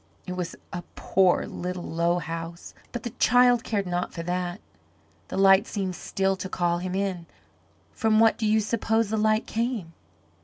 It was a poor, little, low house, but the child cared not for that. The light seemed still to call him in. From what do you suppose the light came?